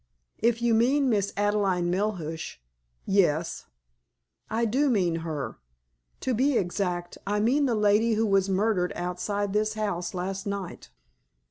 "If you mean Miss Adelaide Melhuish—yes." "I do mean her. To be exact, I mean the lady who was murdered outside this house last night."